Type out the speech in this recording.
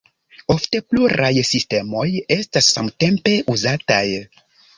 Ofte pluraj sistemoj estas samtempe uzataj.